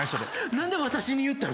何で私に言ったん？